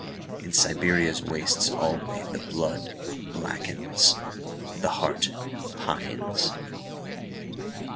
In Siberia's wastes alwayThe blood blackens, the heart pines.